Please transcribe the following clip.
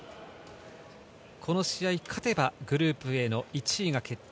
この試合に勝てばグループＡの１位が決定。